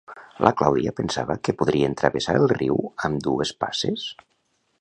La Clàudia pensava que podrien travessar el riu amb dues passes?